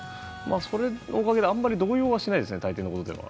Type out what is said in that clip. それのおかげであまり動揺はしないですね。